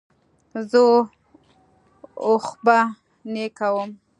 زه اوښبهني کوم.